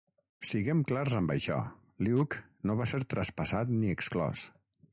Siguem clars amb això, Luke no va ser traspassat ni exclòs.